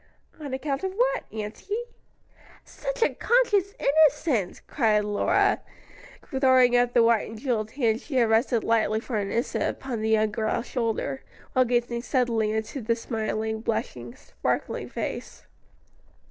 "On account of what, auntie?" "Such unconscious innocence!" cried Lora, throwing up the white and jeweled hands she had rested lightly for an instant upon the young girl's shoulder, while gazing steadily into the smiling, blushing, sparkling face.